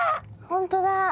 本当だ。